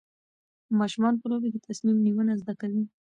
ماشومان په لوبو کې تصمیم نیونه زده کوي.